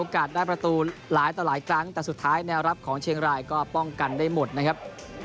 ได้ประตูหลายต่อหลายครั้งแต่สุดท้ายแนวรับของเชียงรายก็ป้องกันได้หมดนะครับ